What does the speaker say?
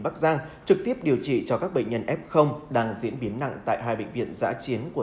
bắc giang trực tiếp điều trị cho các bệnh nhân f đang diễn biến nặng tại hai bệnh viện giã chiến của